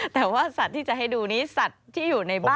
แต่ว่าสัตว์ที่จะให้ดูนี้สัตว์ที่อยู่ในบ้าน